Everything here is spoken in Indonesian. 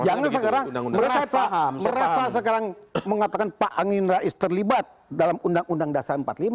jangan sekarang merasa sekarang mengatakan pak amin rais terlibat dalam undang undang dasar empat puluh lima